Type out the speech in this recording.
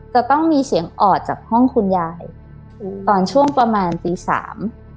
จะต้องมีเสียงออดจากห้องคุณยายอืมตอนช่วงประมาณตีสาม